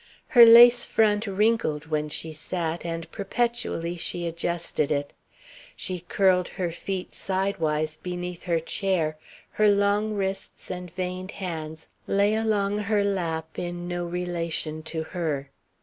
Her lace front wrinkled when she sat, and perpetually she adjusted it. She curled her feet sidewise beneath her chair, her long wrists and veined hands lay along her lap in no relation to her.